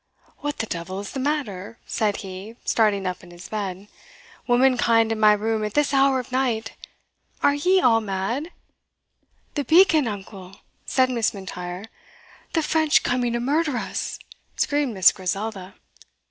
"What the devil is the matter?" said he, starting up in his bed "womankind in my room at this hour of night! are ye all mad?" "The beacon, uncle!" said Miss M'Intyre. "The French coming to murder us!" screamed Miss Griselda.